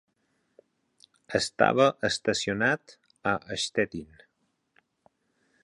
Estava estacionat a Stettin.